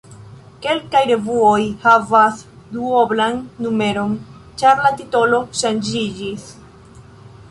Kelkaj revuoj havas duoblan numeron, ĉar la titolo ŝanĝiĝis.